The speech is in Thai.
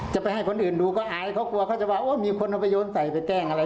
จะไปให้คนอื่นดูก็อายเขากลัวเขาจะว่ามีคนเอาไปโยนใส่ไปแกล้งอะไร